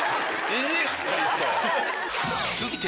続いて。